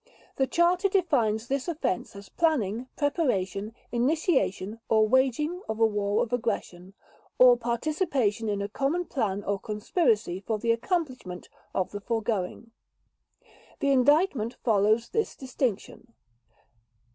The Charter defines this offense as planning, preparation, initiation, or waging of a war of aggression "or participation in a Common Plan or Conspiracy for the accomplishment ... of the foregoing". The Indictment follows this distinction.